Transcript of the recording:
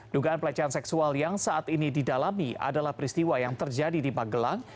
dugaan pelecehan seksual yang saat ini didalami adalah peristiwa yang terjadi di magelang